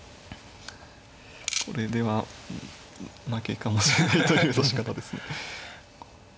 これでは負けかもしれないという指し方ですね。